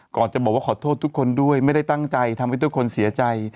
ก่อนจะบอกว่าขอโทษทุกคนด้วยไม่ได้ตั้งใจทำให้ทุกคนเสียใจ